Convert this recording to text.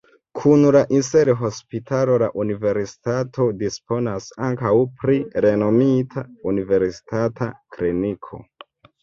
Kun la Insel-hospitalo la universitato disponas ankaŭ pri renomita universitata kliniko.